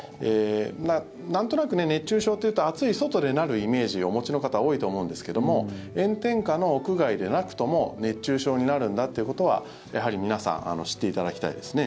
なんとなく熱中症というと暑い外でなるイメージをお持ちの方多いと思うんですけども炎天下の屋外でなくとも熱中症になるんだということはやはり皆さん知っていただきたいですね。